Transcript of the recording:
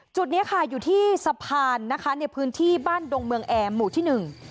เนี้ยค่ะอยู่ที่สะพานนะคะในพื้นที่บ้านดงเมืองแอร์หมู่ที่หนึ่ง